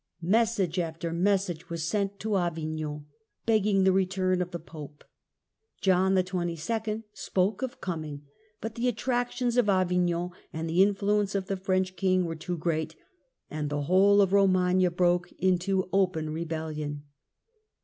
Message after mes sage was sent to Avignon, begging the return of the Pope. John XXII. spoke of coming, but the attractions of Avignon and the influence of the French King were too great, and the whole of Eomagna broke into open rebellion.